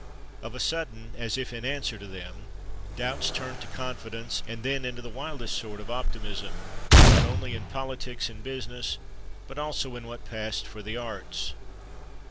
Of a sudden, as if in answer to them, doubts turned to confidence, and then into the wildest sort of optimism, not only in politics and business, but also in what passed for the arts.